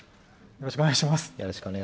よろしくお願いします。